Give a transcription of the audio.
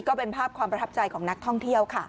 ก็เป็นภาพความประทับใจของนักท่องเที่ยวค่ะ